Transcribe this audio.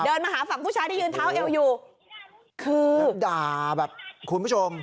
มาหาฝั่งผู้ชายที่ยืนเท้าเอวอยู่คือด่าแบบคุณผู้ชม